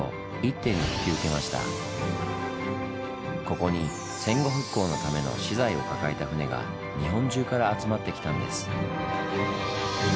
ここに戦後復興のための資材を抱えた船が日本中から集まってきたんです。